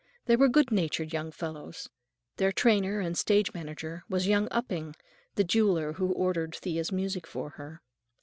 They were good natured young fellows. Their trainer and stage manager was young Upping, the jeweler who ordered Thea's music for her.